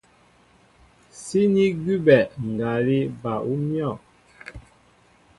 Síní gúbɛ ngalí bal ú myɔ̂.